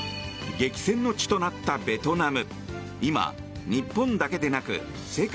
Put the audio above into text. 激戦の地となったベトナム。